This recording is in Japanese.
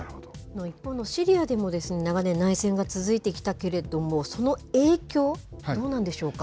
一方のシリアでも長年、内戦が続いていたけれども、その影響、どうなんでしょうか。